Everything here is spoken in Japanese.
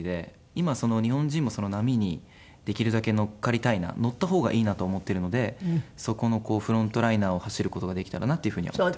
今日本人もその波にできるだけ乗っかりたいな乗った方がいいなと思ってるのでそこのフロントライナーを走る事ができたらなっていう風には思ってます。